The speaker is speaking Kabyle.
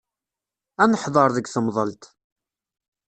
Ad neḥdeṛ deg temḍelt.